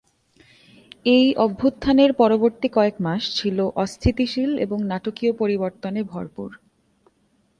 এই অভ্যুত্থানের পরবর্তী কয়েক মাস ছিল অস্থিতিশীল এবং নাটকীয় পরিবর্তনে ভরপুর।